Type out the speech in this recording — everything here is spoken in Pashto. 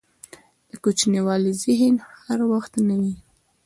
دکوچنیوالي ذهن هر وخت نه وي.